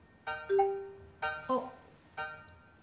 あっ。